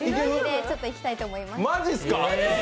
ちょっといってみたいと思います。